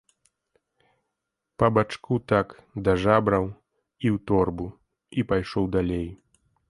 Па бачку так, да жабраў, і ў торбу, і пайшоў далей.